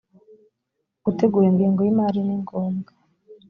gutegura ingengo y imari nigombwa.